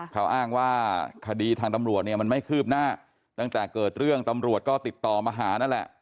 เขาอ้างว่าคดีทางตำรวจเนี่ยมันไม่คืบหน้าตั้งแต่เกิดเรื่องตำรวจก็ติดต่อมาหานั่นแหละ